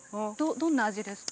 どんな味ですか？